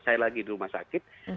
saya lagi di rumah sakit